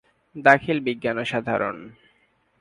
দাখিল বিজ্ঞান ও সাধারণ।